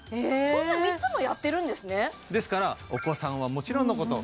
そんな３つもやってるんですねですからお子さんはもちろんのこと